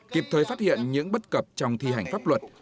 kịp thời phát hiện những bất cập trong thi hành pháp luật